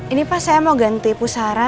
ini pas saya mau ganti pusara